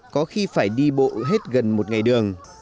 có khi phải đi bộ hết gần một ngày đường